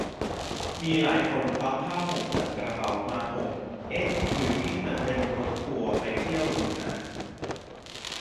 มีหลายคนควักผ้าห่มจากกระเป๋ามาห่ม เอ๊ะหรือนี่มันรถทัวร์ไปเที่ยวเหนือ ?